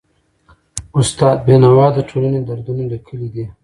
استاد بینوا د ټولني دردونه لیکلي دي.